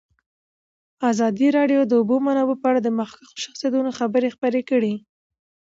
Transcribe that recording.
ازادي راډیو د د اوبو منابع په اړه د مخکښو شخصیتونو خبرې خپرې کړي.